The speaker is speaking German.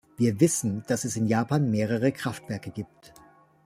Wir wissen, dass es in Japan mehrere Kraftwerke gibt.